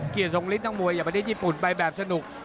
เกียรติสงฤทธิ์ทั้งมวยประเทศญี่ปุ่นใบแบบสนุก